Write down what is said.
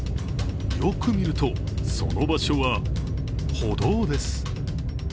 よく見ると、その場所は歩道です。